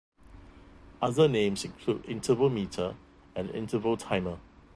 Other names include interval meter and interval timer.